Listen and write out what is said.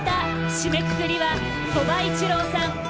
締めくくりは鳥羽一郎さん